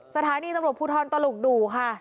สถานีสำหรับผู้ท้อนตลกดูค่ะ